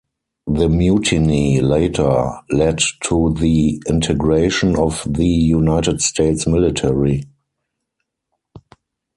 The mutiny later led to the integration of the United States military.